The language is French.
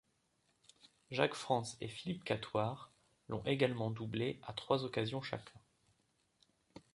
Jacques Frantz et Philippe Catoire l'ont également doublé à trois occasions chacun.